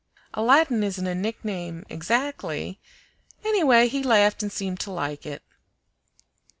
"Aladdin isn't a nickname exactly; anyway, he laughed and seemed to like it."